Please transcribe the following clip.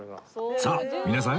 さあ皆さん